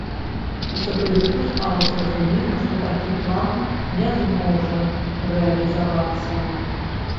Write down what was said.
У сакавіку стала зразумела, што такі план не зможа рэалізавацца.